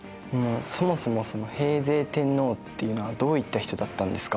そもそもその平城天皇っていうのはどういった人だったんですか？